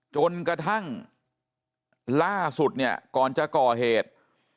จนกระทั่งล่าสุดเนี่ยก่อนจะก่อเหตุ